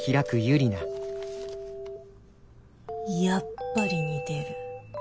やっぱり似てる。